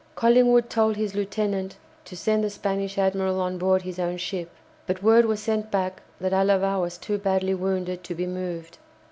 Collingwood told his lieutenant to send the Spanish admiral on board his own ship, but word was sent back that Alava was too badly wounded to be moved.